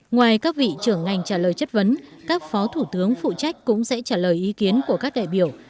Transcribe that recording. ngoài các vị trưởng ngành trả lời chất vấn các phó thủ tướng phụ trách cũng sẽ trả lời ý kiến của các đại biểu